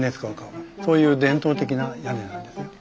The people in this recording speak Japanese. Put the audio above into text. そういう伝統的な屋根なんですよ。